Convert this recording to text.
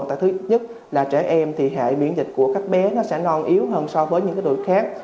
và thứ nhất là trẻ em thì hệ miễn dịch của các bé nó sẽ non yếu hơn so với những đội khác